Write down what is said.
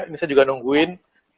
ini saya juga nungguin